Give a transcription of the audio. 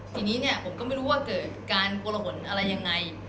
ทีนี้เนี่ยผมก็ไม่รู้ว่าเกิดการโกลหนอะไรยังไง